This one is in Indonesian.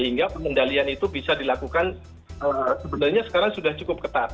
sehingga pengendalian itu bisa dilakukan sebenarnya sekarang sudah cukup ketat